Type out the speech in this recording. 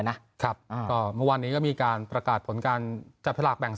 กันนะครับก็เมื่อวันนี้ก็มีการประกาศผลการจัดพลาดแบ่ง